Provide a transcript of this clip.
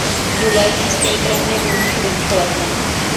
Юлай, һис тә икеләнмәй, уның һүҙен ҡеүәтләне: